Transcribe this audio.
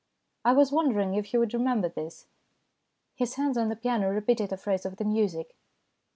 I was wondering if you would remember this." His hands on the piano repeated a phrase of the music.